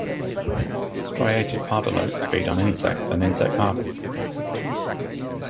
Striated pardalotes feed on insects and insect larvae.